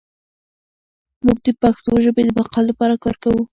موږ د پښتو ژبې د بقا لپاره کار کوو.